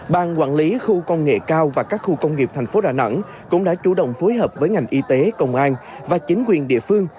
ban quản lý khu công nghệ cao và các khu công nghiệp thành phố đà nẵng cũng đã chủ động phối hợp với ngành y tế công an và chính quyền địa phương